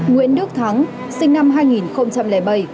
nguyễn đức thắng sinh năm hai nghìn bảy